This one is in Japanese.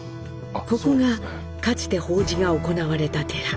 ここがかつて法事が行われた寺。